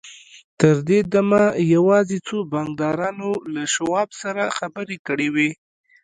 تر دې دمه يوازې څو بانکدارانو له شواب سره خبرې کړې وې.